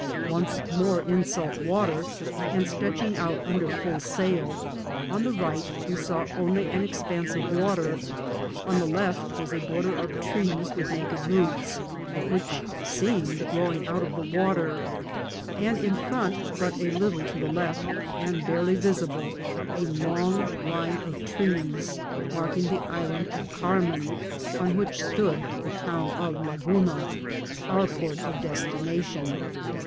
Once more in salt water and stretching out under full sail, on the right we saw only an expanse of water ; on the left was a border of trees with naked roots, which seemed growing out of the water ; and in front, but a little to the left, and barely visible, a long line of trees, marking the island of Carmen, on which stood the town of La RUNNING ASHORE. 387 guna, our port of destination.